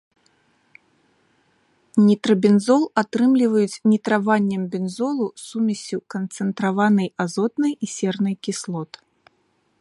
Нітрабензол атрымліваюць нітраваннем бензолу сумессю канцэнтраванай азотнай і сернай кіслот.